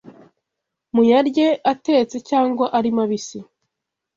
muyarye atetse cyangwa ari mabisi